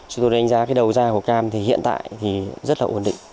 chúng tôi đánh giá cái đầu da của cam thì hiện tại thì rất là ổn định